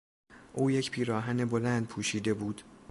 او یک پیراهن بلند پوشیده بود.